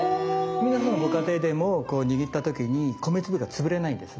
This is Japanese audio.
皆さんのご家庭でも握った時に米粒が潰れないんですね。